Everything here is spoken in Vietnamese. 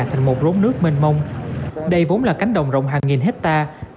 thành một rốn nước mênh mông đây vốn là cánh đồng rộng hàng nghìn hectare